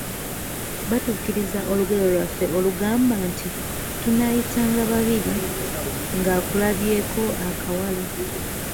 Baatukiriza olugero lwaffe olugamba nti, “Tunaayitanga babiri ng’akulabyeko akawala.”